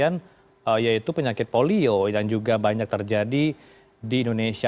yang menjadi perhatian yaitu penyakit polio yang juga banyak terjadi di indonesia